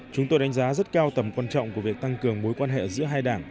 chúng tôi đánh giá rất cao tầm quan trọng của việc tăng cường mối quan hệ giữa hai đảng